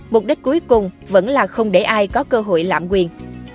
mục đích cuối cùng vẫn là không để ai có cơ hội lạm quyền